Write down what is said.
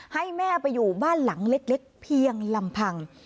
ให้แม่ไปอยู่บ้านหลังเล็กเพียงลำพัง